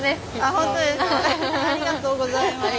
ありがとうございます。